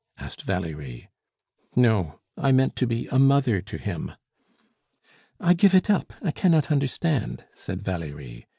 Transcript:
asked Valerie. "No; I meant to be a mother to him." "I give it up. I cannot understand," said Valerie.